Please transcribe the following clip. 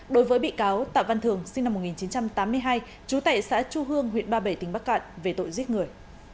đối với bị cáo tạ văn thường sinh năm một nghìn chín trăm tám mươi hai trú tại xã chu hương huyện ba bể tỉnh bắc cạn về tội giết người